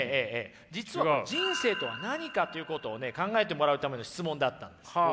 実は人生とは何かということをね考えてもらうための質問だったんです。